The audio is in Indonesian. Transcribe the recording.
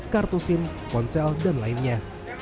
kartu sim ponsel dan lainnya